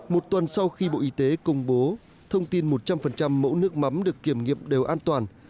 một tuần sau khi bộ y tế công bố thông tin một trăm linh mẫu nước mắm được kiểm nghiệm đều an toàn